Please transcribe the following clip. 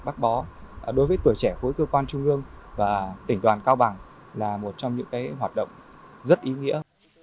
bác bó đối với tuổi trẻ khối cơ quan trung ương và tỉnh đoàn cao bằng là một trong những hoạt động rất ý nghĩa